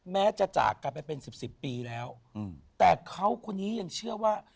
แม่จะจากกลายเป็น๑๐ปีแล้วแต่เขาคนนี้ยังเชื่อว่า